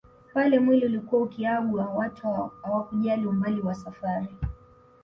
Pale mwili ulikuwa ukiagwa watu hawakujali umbali wa safari